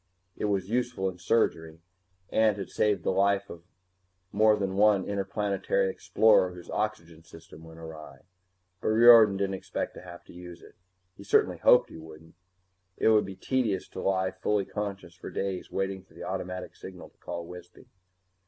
It was useful in surgery, and had saved the life of more than one interplanetary explorer whose oxygen system went awry. But Riordan didn't expect to have to use it. He certainly hoped he wouldn't. It would be tedious to lie fully conscious for days waiting for the automatic signal to call Wisby.